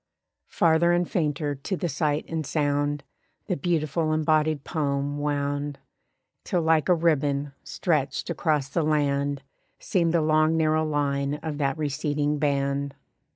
Farther and fainter to the sight and sound The beautiful embodied poem wound; Till like a ribbon, stretched across the land Seemed the long narrow line of that receding band.